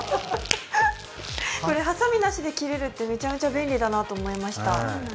これハサミなしで切れるって、めちゃめちゃ便利だと思いました。